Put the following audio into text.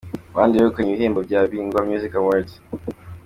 Abandi begukanye ibihembo bya Bingwa Music Awards:.